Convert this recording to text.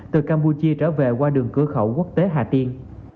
từ campuchia trở về qua đường cửa khẩu quốc tế hà tiên